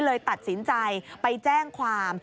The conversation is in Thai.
เลยตัดสินใจไปแจ้งความ